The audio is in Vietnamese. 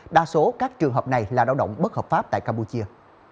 đa số các trường hợp này là lao động bất hợp pháp tại campuchia